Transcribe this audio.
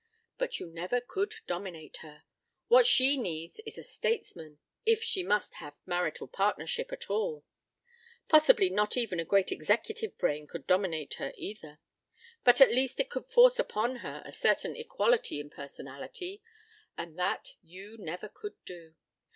But you never could dominate her. What she needs is a statesman, if she must have marital partnership at all. Possibly not even a great executive brain could dominate her either, but at least it could force upon her a certain equality in personality, and that you never could do.